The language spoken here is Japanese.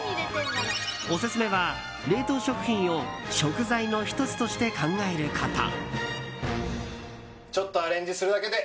オススメは冷凍食品を食材の１つとして考えること。